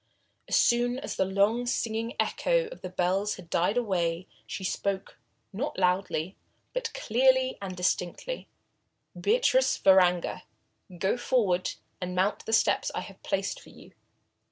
As soon as the long, singing echo of the bells had died away, she spoke, not loudly, but clearly and distinctly. "Beatrice Varanger, go forward and mount the steps I have placed for you."